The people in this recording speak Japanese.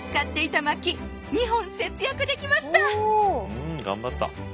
うん頑張った。